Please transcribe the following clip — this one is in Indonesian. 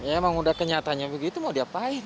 emang udah kenyataannya begitu mau diapain